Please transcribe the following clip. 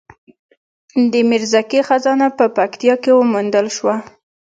د میرزکې خزانه په پکتیا کې وموندل شوه